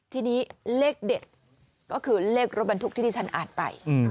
ทีนี้เลขเด็ดก็คือเลขรถบรรทุกที่ที่ฉันอ่านไป